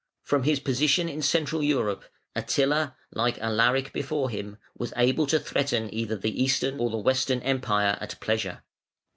From his position in Central Europe, Attila, like Alaric before him, was able to threaten either the Eastern or the Western Empire at pleasure.